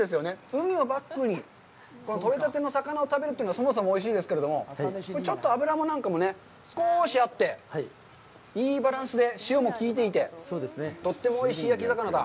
海をバックに取れたての魚を食べるというのがそもそもおいしいですけど、ちょっと脂なんかもね、少しあって、いいバランスで塩もきいていて、とってもおいしい焼き魚だ。